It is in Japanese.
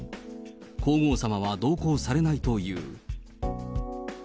皇后さまは同行されないという。